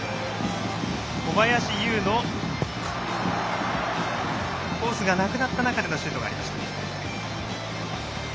小林のコースがなくなった中でのシュートになりました。